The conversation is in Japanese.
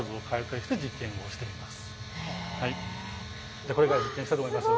じゃあこれから実験したいと思います。